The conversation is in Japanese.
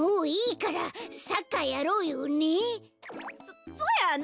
そそやな！